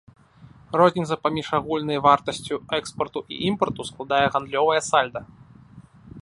Розніца паміж агульнай вартасцю экспарту і імпарту складае гандлёвае сальда.